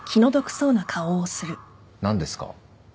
何ですか？